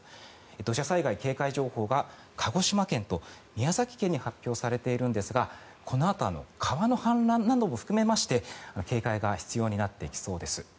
土砂災害警戒情報が鹿児島県と宮崎県に発表されているんですがこのあと川の氾濫なども含めまして警戒が必要になってきそうです。